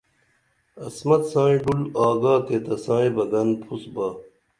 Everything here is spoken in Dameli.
عصمت سائی ڈُل آگا تےتسائی بہ گن پُھس با